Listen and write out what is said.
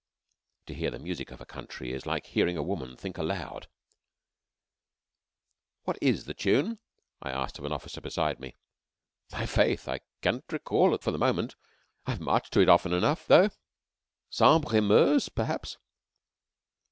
(To hear the music of a country is like hearing a woman think aloud.) "What is the tune?" I asked of an officer beside me. "My faith, I can't recall for the moment. I've marched to it often enough, though. 'Sambre et Meuse,' perhaps.